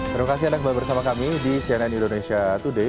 terima kasih anda kembali bersama kami di cnn indonesia today